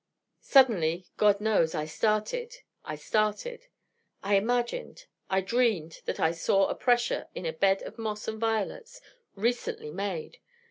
Suddenly, God knows, I started, I started. I imagined I dreamed that I saw a pressure in a bed of moss and violets, _recently made!